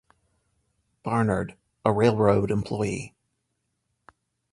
Barnard, a railroad employee.